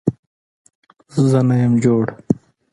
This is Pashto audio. زه نه يم جوړ